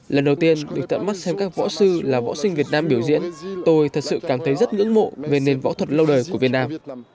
lần đầu tiên được tận mắt xem các võ sư là võ sinh việt nam biểu diễn tôi thật sự cảm thấy rất ngưỡng mộ về nền võ thuật lâu đời của việt nam